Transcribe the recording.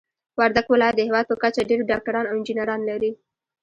وردګ ولايت د هيواد په کچه ډير ډاکټران او انجنيران لري.